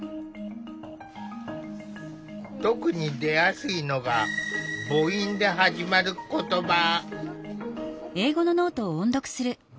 特に出やすいのが母音で始まる言葉。